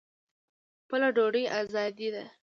خپله ډوډۍ ازادي ده.